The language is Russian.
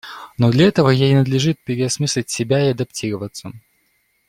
Но для этого ей надлежит переосмыслить себя и адаптироваться.